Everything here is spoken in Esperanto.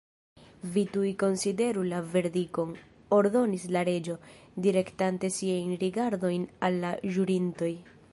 "Vi tuj konsideru la verdikton," ordonis la Reĝo, direktante siajn rigardojn al la ĵurintoj.